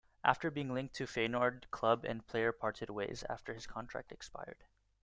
After being linked to Feyenoord, club and player parted ways after his contract expired.